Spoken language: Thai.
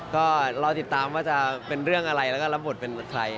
ก็รอติดตามว่าจะเป็นเรื่องอะไรแล้วก็รับบทเป็นใคร